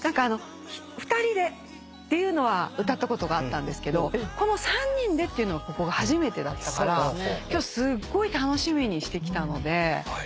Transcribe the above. ２人でっていうのは歌ったことがあったんですけどこの３人でっていうのはここが初めてだったから今日すごい楽しみにして来たので最高でした。